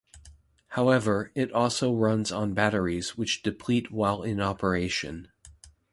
However, it also runs on batteries which deplete while in operation.